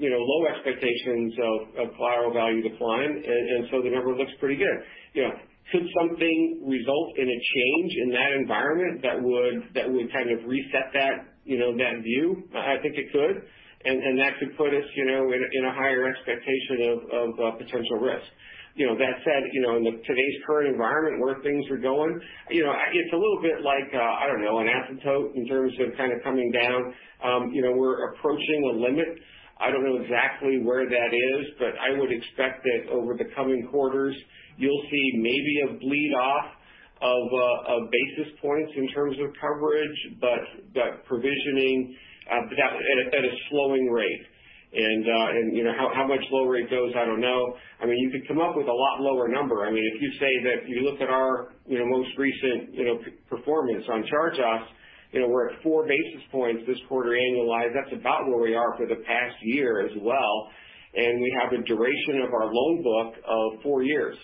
low expectations of collateral value decline. The number looks pretty good. Could something result in a change in that environment that would kind of reset that view? I think it could. That could put us in a higher expectation of potential risk. That said, in today's current environment where things are going, it's a little bit like, I don't know, an asymptote in terms of kind of coming down. We're approaching a limit. I don't know exactly where that is, but I would expect that over the coming quarters you'll see maybe a bleed off of basis points in terms of coverage, but that provisioning at a slowing rate. How much lower it goes, I don't know. You could come up with a lot lower number. If you look at our most recent performance on charge-offs, we're at 4 basis points this quarter annualized. That's about where we are for the past year as well. We have a duration of our loan book of 4 years.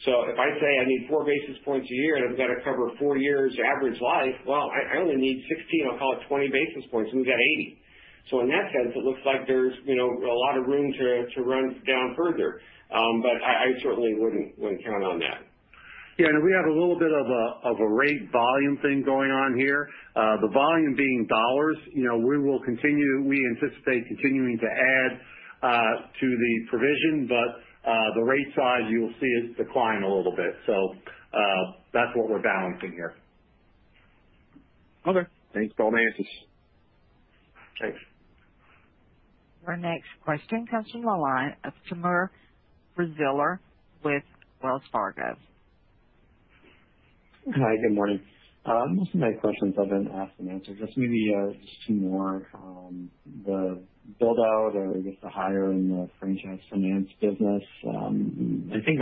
If I say I need 4 basis points a year and I've got to cover four years average life, well, I only need 16, I'll call it 20 basis points, and we've got 80. In that sense, it looks like there's a lot of room to run down further. I certainly wouldn't count on that. We have a little bit of a rate volume thing going on here. The volume being dollars. We anticipate continuing to add to the provision, but the rate size you'll see is declined a little bit. That's what we're balancing here. Okay. Thanks for all the answers. Thanks. Our next question comes from the line of Timur Braziler with Wells Fargo. Hi, good morning. Most of my questions have been asked and answered. Just maybe two more. The build out or I guess the hire in the franchise finance business, I think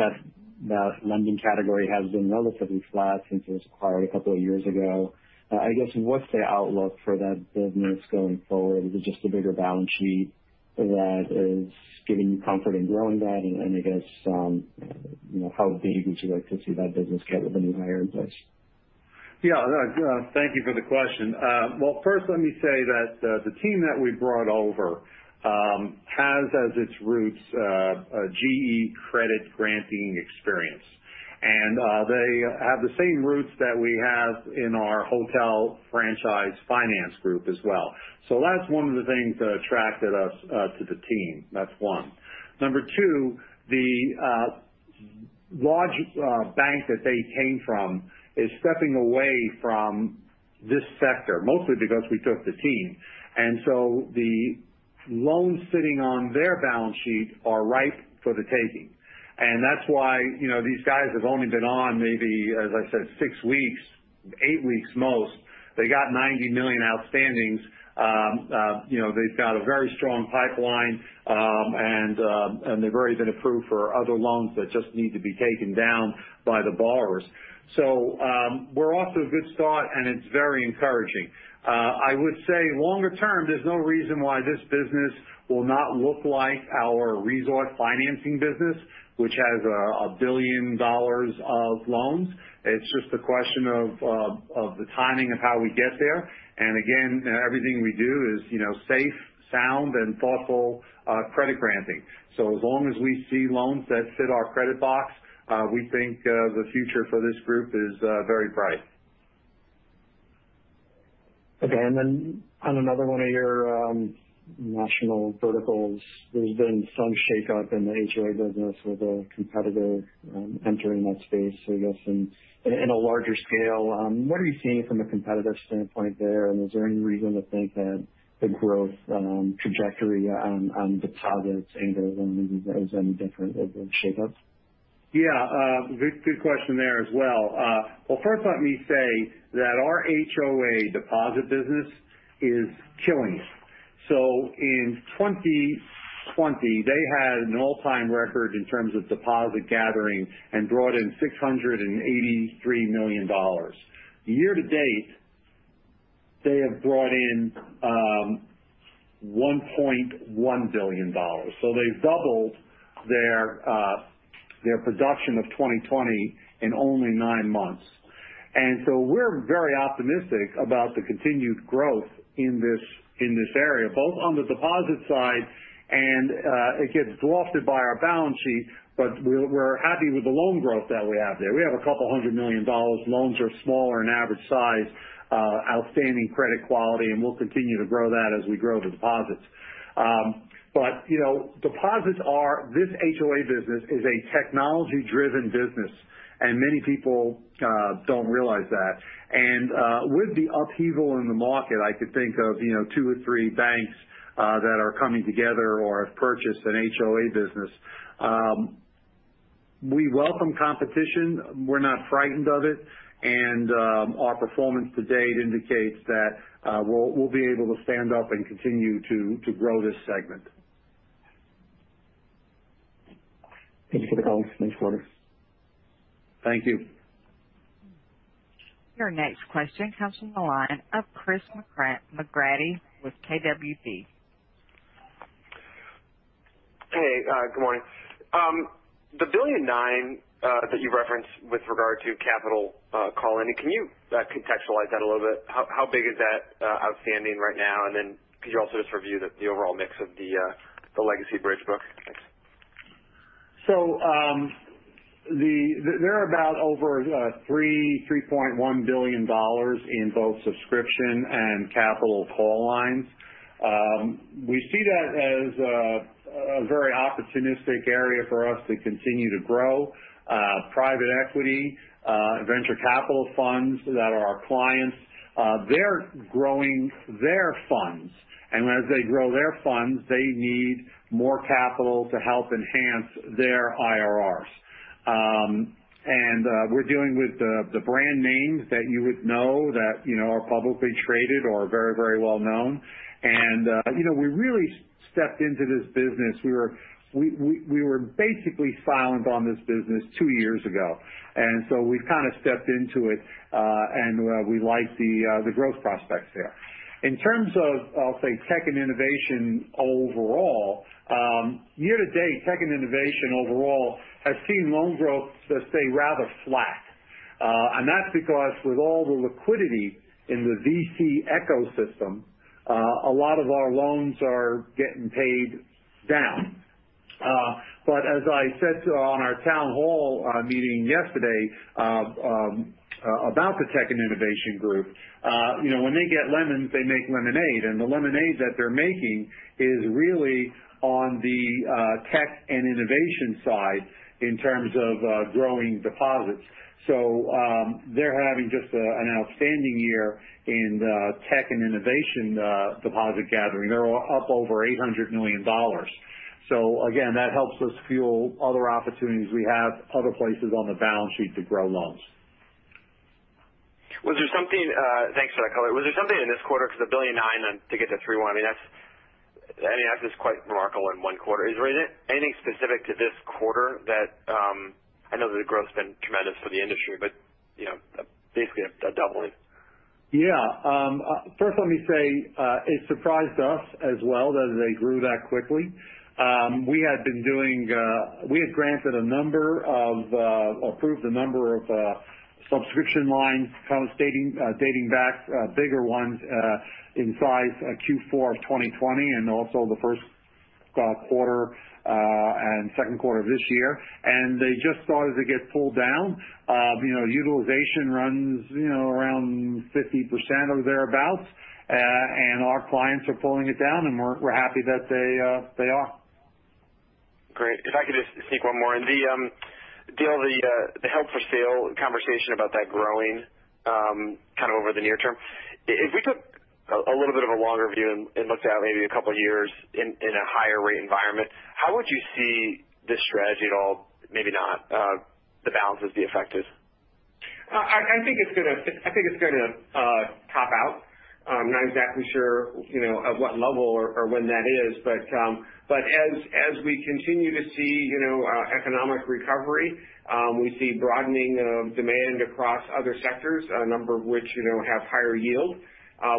that lending category has been relatively flat since it was acquired a couple of years ago. I guess what's the outlook for that business going forward? Is it just a bigger balance sheet that is giving you comfort in growing that? I guess how big would you like to see that business get with the new hire in place? Yeah. Thank you for the question. Well, first let me say that the team that we brought over has as its roots a GE credit granting experience. They have the same roots that we have in our hotel franchise finance group as well. That's one of the things that attracted us to the team. That's one. Number two, the large bank that they came from is stepping away from this sector, mostly because we took the team. The loans sitting on their balance sheet are ripe for the taking. That's why these guys have only been on maybe, as I said, six weeks, eight weeks most. They got $90 million outstandings. They've got a very strong pipeline. They've already been approved for other loans that just need to be taken down by the borrowers. We're off to a good start, and it's very encouraging. I would say longer term, there's no reason why this business will not look like our resort financing business, which has $1 billion of loans. It's just a question of the timing of how we get there. Again, everything we do is safe, sound, and thoughtful credit granting. As long as we see loans that fit our credit box, we think the future for this group is very bright. Okay. On another one of your national verticals, there's been some shakeup in the HOA business with a competitor entering that space. I guess in a larger scale, what are you seeing from a competitive standpoint there? Is there any reason to think that the growth trajectory on the targets angles and maybe is any different with the shakeup? Yeah. Good question there as well. Well, first let me say that our HOA deposit business is killing it. In 2020, they had an all-time record in terms of deposit gathering and brought in $683 million. Year to date, they have brought in $1.1 billion. They've doubled their production of 2020 in only nine months. We're very optimistic about the continued growth in this area, both on the deposit side, and it gets glossed by our balance sheet, but we're happy with the loan growth that we have there. We have a couple of hundred million dollars. Loans are smaller in average size, outstanding credit quality, and we'll continue to grow that as we grow the deposits. This HOA business is a technology-driven business, and many people don't realize that. With the upheaval in the market, I could think of two or three banks that are coming together or have purchased an HOA business. We welcome competition. We're not frightened of it. Our performance to date indicates that we'll be able to stand up and continue to grow this segment. Thank you for the color. Thanks, Walter. Thank you. Your next question comes from the line of Christopher McGratty with KBW. Hey, good morning. The $1.9 billion that you referenced with regard to capital call lending, can you contextualize that a little bit? How big is that outstanding right now? Could you also just review the overall mix of the legacy bridge book? Thanks. There are about over $3.1 billion in both subscription and capital call lines. We see that as a very opportunistic area for us to continue to grow. Private equity, venture capital funds that are our clients, they're growing their funds. As they grow their funds, they need more capital to help enhance their IRRs. We're dealing with the brand names that you would know that are publicly traded or are very well known. We really stepped into this business. We were basically silent on this business two years ago. We've kind of stepped into it. We like the growth prospects there. In terms of, I'll say, tech and innovation overall, year to date, tech and innovation overall has seen loan growth just stay rather flat. That's because with all the liquidity in the VC ecosystem, a lot of our loans are getting paid down. As I said on our town hall meeting yesterday about the Tech and Innovation Group, when they get lemons, they make lemonade. The lemonade that they're making is really on the Tech and Innovation side in terms of growing deposits. They're having just an outstanding year in Tech and Innovation deposit gathering. They're up over $800 million. Again, that helps us fuel other opportunities we have other places on the balance sheet to grow loans. Thanks for that color. Was there something in this quarter because the $1.9 billion then to get to $3.1 billion, that's just quite remarkable in one quarter. Is there anything specific to this quarter? I know that the growth's been tremendous for the industry, but basically a doubling. Yeah. First let me say, it surprised us as well that they grew that quickly. We had granted a number, approved a number of subscription lines kind of dating back, bigger ones in size Q4 of 2020, and also Q1 and Q2 of this year. They just started to get pulled down. Utilization runs around 50% or thereabouts. Our clients are pulling it down, and we're happy that they are. Great. If I could just sneak one more in. Dale, the held for sale conversation about that growing kind of over the near term. If we took a little bit of a longer view and looked out maybe a couple of years in a higher rate environment, how would you see this strategy, and maybe not the balances, be affected? I think it's going to top out. I'm not exactly sure at what level or when that is. As we continue to see economic recovery, we see broadening of demand across other sectors, a number of which have higher yield.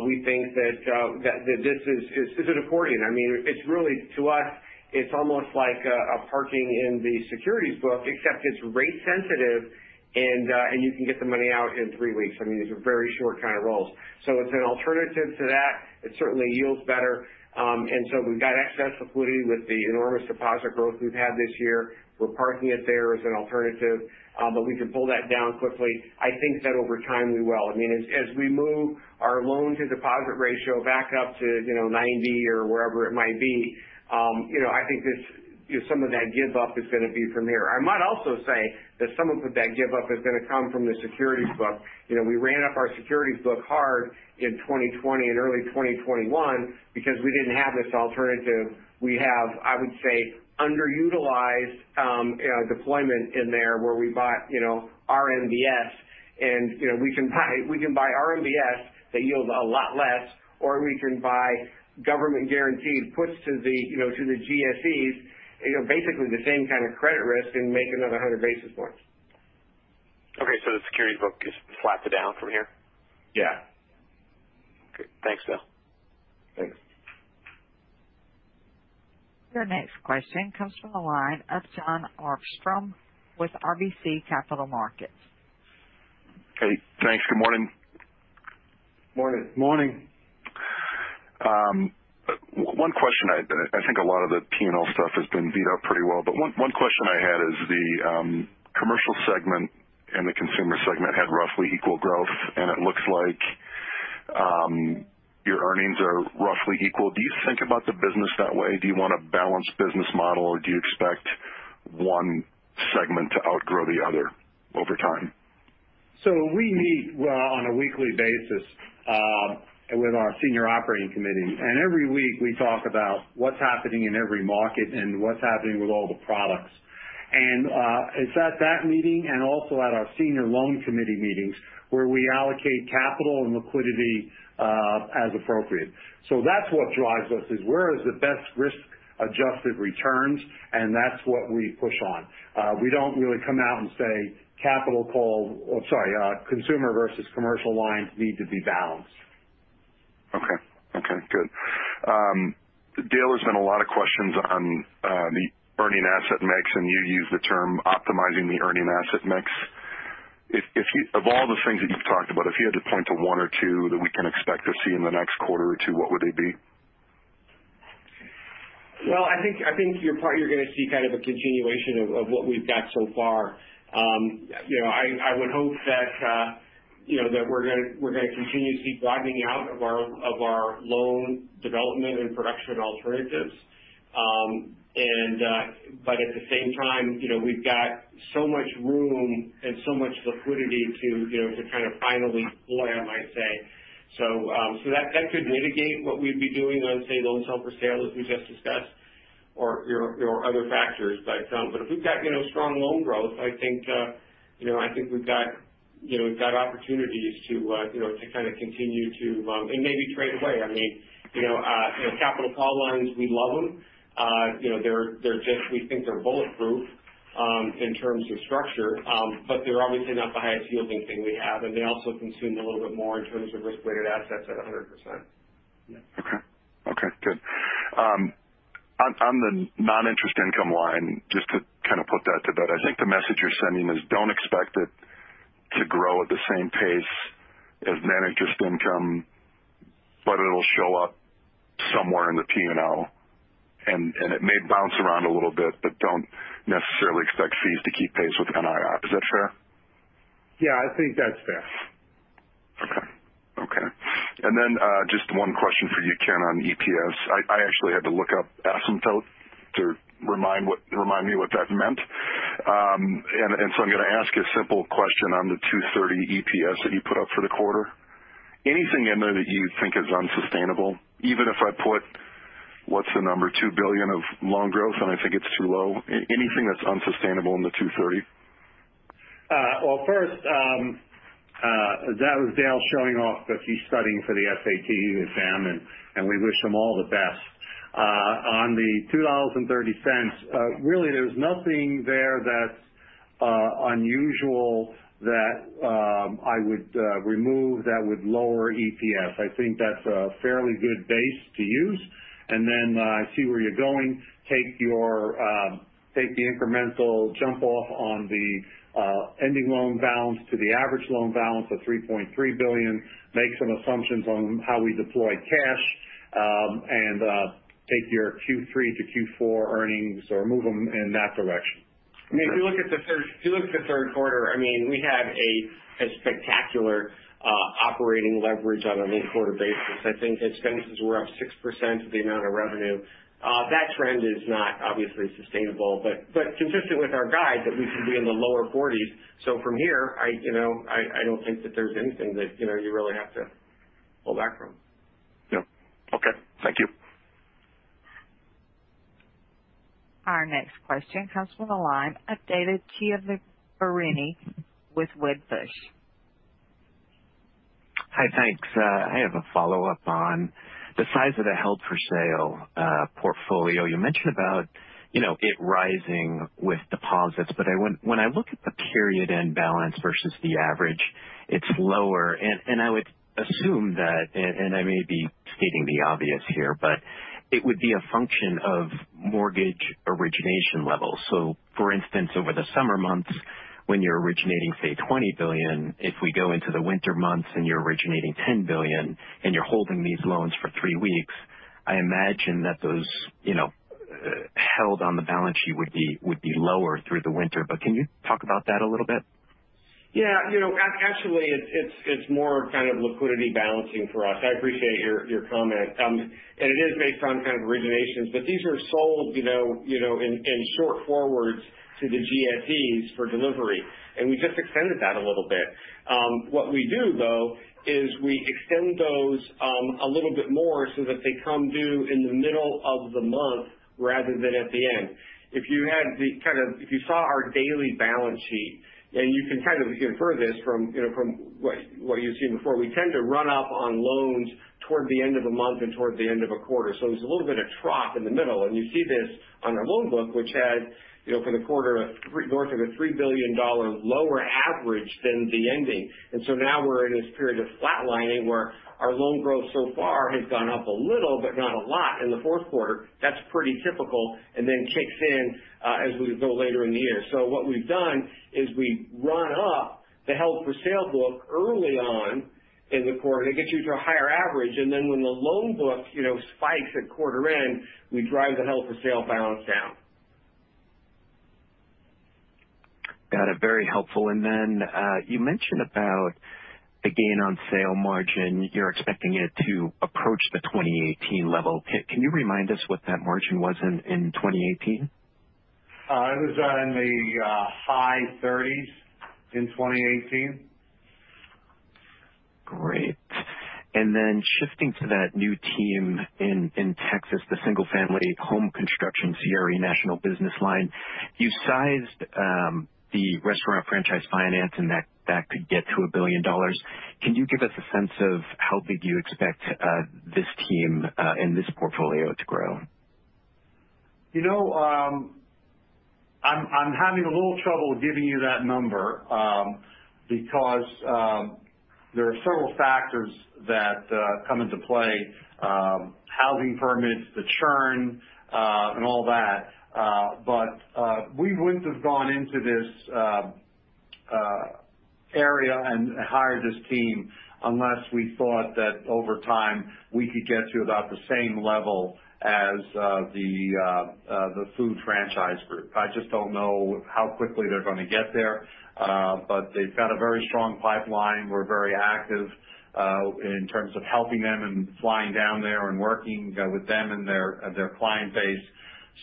We think that this is it according to us, it's almost like a parking in the securities book, except it's rate sensitive and you can get the money out in three weeks. These are very short kind of rolls. It's an alternative to that. It certainly yields better. We've got excess liquidity with the enormous deposit growth we've had this year. We're parking it there as an alternative. We can pull that down quickly. I think that over time we will. As we move our loan to deposit ratio back up to 90 or wherever it might be, I think some of that give up is going to be from there. I might also say that some of that give up is going to come from the securities book. We ran up our securities book hard in 2020 and early 2021 because we didn't have this alternative. We have, I would say, underutilized deployment in there where we bought RMBS. We can buy RMBS that yield a lot less, or we can buy government guaranteed puts to the GSEs, basically the same kind of credit risk and make another 100 basis points. Okay, the securities book is flat to down from here? Yeah. Your next question comes from the line of Jon Arfstrom with RBC Capital Markets. Hey, thanks. Good morning. Morning. Morning. One question. I think a lot of the P&L stuff has been beat up pretty well. One question I had is the commercial segment and the consumer segment had roughly equal growth, and it looks like your earnings are roughly equal. Do you think about the business that way? Do you want a balanced business model, or do you expect one segment to outgrow the other over time? We meet on a weekly basis with our senior operating committee. Every week we talk about what's happening in every market and what's happening with all the products. It's at that meeting and also at our senior loan committee meetings where we allocate capital and liquidity, as appropriate. That's what drives us is where is the best risk-adjusted returns, and that's what we push on. We don't really come out and say consumer versus commercial lines need to be balanced. Okay. Good. Dale has sent a lot of questions on the earning asset mix, and you use the term optimizing the earning asset mix. Of all the things that you've talked about, if you had to point to one or two that we can expect to see in the next quarter or two, what would they be? Well, I think you're going to see kind of a continuation of what we've got so far. I would hope that we're going to continue to see widening out of our loan development and production alternatives. At the same time, we've got so much room and so much liquidity to kind of finally deploy, I might say. That could mitigate what we'd be doing on, say, loan held for sale, as we just discussed, or other factors. If we've got strong loan growth, I think we've got opportunities to kind of continue to and maybe trade away. Capital call lines, we love them. We think they're bulletproof in terms of structure. They're obviously not the highest yielding thing we have, and they also consume a little bit more in terms of risk-weighted assets at 100%. Okay. Good. On the non-interest income line, just to kind of put that to bed. I think the message you're sending is don't expect it to grow at the same pace as net interest income, but it'll show up somewhere in the P&L, and it may bounce around a little bit, but don't necessarily expect fees to keep pace with NII. Is that fair? Yeah, I think that's fair. Okay. Just one question for you, Ken, on EPS. I actually had to look up asymptote to remind me what that meant. I'm going to ask a simple question on the 2.30 EPS that you put up for the quarter. Anything in there that you think is unsustainable? Even if I put, what's the number, $2 billion of loan growth, and I think it's too low. Anything that's unsustainable in the 2.30? First, that was Dale showing off that he's studying for the SAT exam, and we wish him all the best. On the $2.30, really, there's nothing there that's unusual that I would remove that would lower EPS. I think that's a fairly good base to use. Then I see where you're going. Take the incremental jump off on the ending loan balance to the average loan balance of $3.3 billion. Make some assumptions on how we deploy cash, and take your Q3 to Q4 earnings or move them in that direction. If you look at Q3, we had a spectacular operating leverage on an equal quarter basis. I think expenses were up 6% of the amount of revenue. That trend is not obviously sustainable, but consistent with our guide that we can be in the lower 40s. From here, I don't think that there's anything that you really have to pull back from. Yep. Okay. Thank you. Our next question comes from the line of David Chiaverini with Wedbush. Hi. Thanks. I have a follow-up on the size of the held for sale portfolio. You mentioned about it rising with deposits. When I look at the period end balance versus the average, it's lower. I would assume that, and I may be stating the obvious here, but it would be a function of mortgage origination levels. For instance, over the summer months when you're originating, say, $20 billion, if we go into the winter months and you're originating $10 billion and you're holding these loans for three weeks, I imagine that those held on the balance sheet would be lower through the winter. Can you talk about that a little bit? Yeah. Actually, it's more kind of liquidity balancing for us. I appreciate your comment. It is based on kind of originations, but these are sold in short forwards to the GSEs for delivery, and we just extended that a little bit. What we do, though, is we extend those a little bit more so that they come due in the middle of the month rather than at the end. If you saw our daily balance sheet, and you can kind of infer this from what you've seen before, we tend to run up on loans toward the end of a month and towards the end of a quarter. There's a little bit of trough in the middle. You see this on our loan book, which had for the quarter north of a $3 billion lower average than the ending. Now we're in this period of flatlining where our loan growth so far has gone up a little but not a lot in Q4. That's pretty typical and then kicks in as we go later in the year. What we've done is we run up the held for sale book early on in the quarter. It gets you to a higher average. When the loan book spikes at quarter end, we drive the held for sale balance down. Got it. Very helpful. You mentioned about the Gain on Sale Margin. You're expecting it to approach the 2018 level. Can you remind us what that margin was in 2018? It was in the high 30s in 2018. Great. Shifting to that new team in Texas, the single-family home construction CRE national business line. You sized the restaurant franchise finance, and that could get to $1 billion. Can you give us a sense of how big you expect this team and this portfolio to grow? I'm having a little trouble giving you that number because there are several factors that come into play. Housing permits, the churn, and all that. We wouldn't have gone into this area and hired this team unless we thought that over time we could get to about the same level as the food franchise group. I just don't know how quickly they're going to get there. They've got a very strong pipeline. We're very active in terms of helping them and flying down there and working with them and their client base.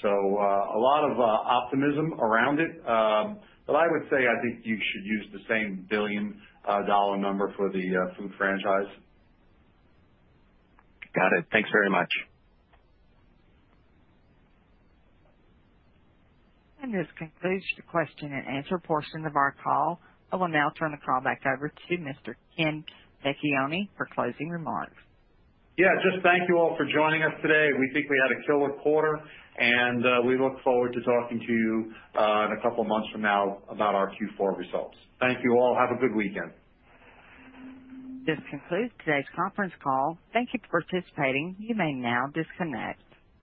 A lot of optimism around it. I would say, I think you should use the same billion dollar number for the food franchise. Got it. Thanks very much. This concludes the question-and-answer portion of our call. I will now turn the call back over to Mr. Ken Vecchione for closing remarks. Yeah, just thank you all for joining us today. We think we had a killer quarter, and we look forward to talking to you in a couple of months from now about our Q4 results. Thank you all. Have a good weekend. This concludes today's conference call. Thank you for participating. You may now disconnect.